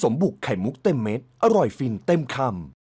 มุกเต็มเม็ดอร่อยฟินเต็มคำ